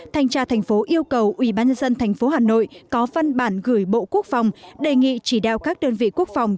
thanh tra tp yêu cầu ubnd tp hà nội có văn bản gửi bộ quốc phòng đề nghị chỉ đeo các đơn vị quốc phòng